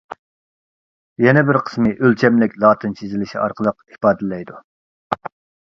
يەنە بىر قىسمى ئۆلچەملىك لاتىنچە يېزىلىشى ئارقىلىق ئىپادىلەيدۇ.